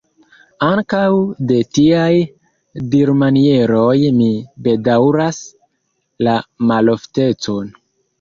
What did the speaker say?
Ankaŭ de tiaj dirmanieroj mi bedaŭras la maloftecon.